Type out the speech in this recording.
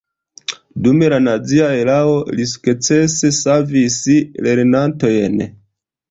Dum la nazia erao li sukcese savis lernantojn.